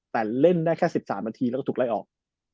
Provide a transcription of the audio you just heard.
แต่เล่นได้แค่๑๓นาทีแล้วก็ถูกไล่ออก